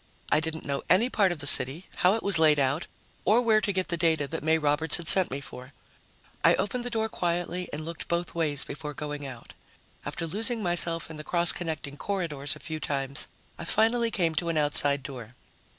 I didn't know any part of the city, how it was laid out, or where to get the data that May Roberts had sent me for. I opened the door quietly and looked both ways before going out. After losing myself in the cross connecting corridors a few times, I finally came to an outside door.